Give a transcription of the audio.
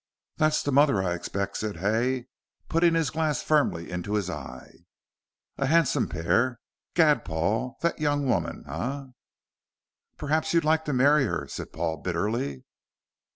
"That's the mother I expect," said Hay, putting his glass firmly into his eye; "a handsome pair. Gad, Paul, that young woman eh?" "Perhaps you'd like to marry her," said Paul, bitterly.